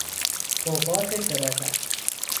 اوقات فراغت